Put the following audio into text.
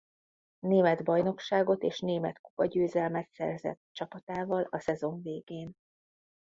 Német bajnokságot és német kupagyőzelmet szerzett csapatával a szezon végén.